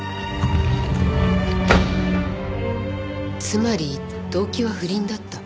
つまり動機は不倫だった。